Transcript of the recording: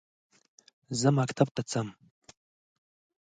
زه مکتب ته زمه